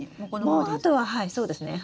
もうあとははいそうですね。